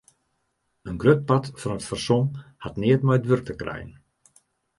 In grut part fan it fersom hat neat mei it wurk te krijen.